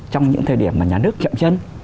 trong những thời điểm mà nhà nước chậm chân